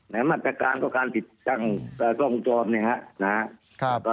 แม้มาตรการก็การติดตั้งกล้องจอมนะครับ